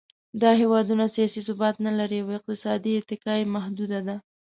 دا هېوادونه سیاسي ثبات نهلري او اقتصادي اتکا یې محدوده ده.